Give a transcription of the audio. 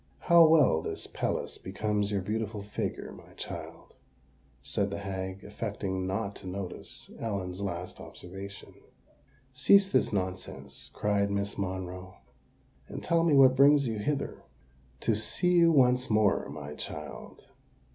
"How well this pelisse becomes your beautiful figure, my child," said the hag, affecting not to notice Ellen's last observation. "Cease this nonsense," cried Miss Monroe; "and tell me what brings you hither." "To see you once more, my child."